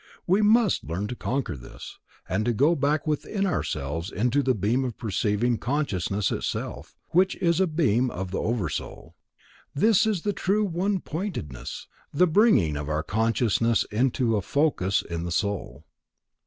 We must learn to conquer this, and to go back within ourselves into the beam of perceiving consciousness itself, which is a beam of the Oversoul. This is the true onepointedness, the bringing of our consciousness to a focus in the Soul.